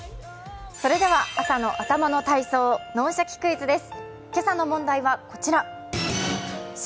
それでは朝の頭の体操、「脳シャキ！クイズ」です。